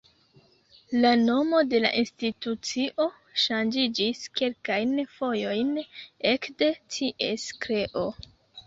La nomo de la institucio ŝanĝiĝis kelkajn fojojn ekde ties kreo.